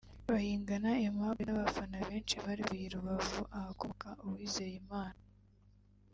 Bayingana Aimable n’abafana benshi bari bavuye i Rubavu ahakomoka Uwizeyimana